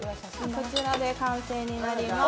こちらで完成になります。